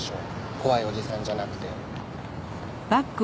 怖いおじさんじゃなくて。